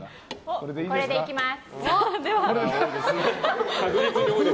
これでいきます。